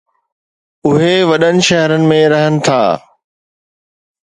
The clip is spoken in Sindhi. اهي وڏن شهرن ۾ رهن ٿا